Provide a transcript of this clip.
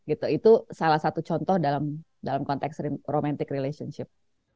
itu salah satu contoh dalam konteks romantic relationship